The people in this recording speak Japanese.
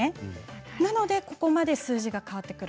なのでここまで数字が変わってくる。